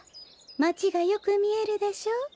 まちがよくみえるでしょ。